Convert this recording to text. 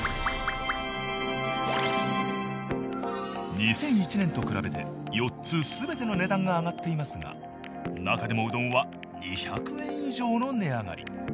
２００１年と比べて４つ全ての値段が上がっていますが中でもうどんは２００円以上の値上がり。